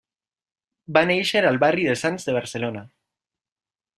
Va néixer al barri de Sants de Barcelona.